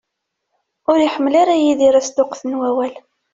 Ur iḥemmel ara Yidir asṭuqqet n wawal.